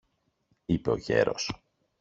είπε ο γέρος.